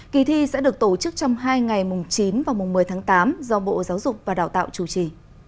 kỳ thi sẽ được tổ chức trong hai ngày mùng chín và mùng một mươi tháng tám do bộ giáo dục và đào tạo chủ trì